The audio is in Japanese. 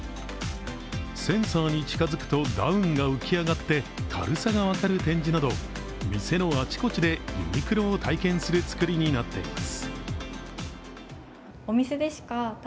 センサーに近づくとダウンが浮き上がって軽さが分かる展示など店のあちこちでユニクロを体験する作りになっています。